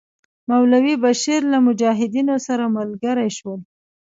مولوی بشیر له مجاهدینو سره ملګري شول.